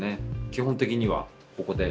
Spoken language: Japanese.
基本的にはここで。